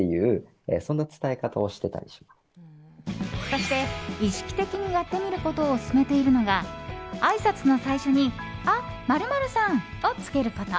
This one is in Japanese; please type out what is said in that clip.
そして、意識的にやってみることを勧めているのがあいさつの最初に「あっ、○○さん」をつけること。